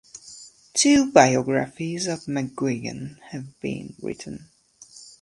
Two biographies of McGuigan have been written.